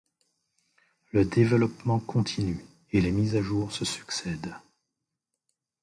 Le développement continue et les mises à jour se succèdent.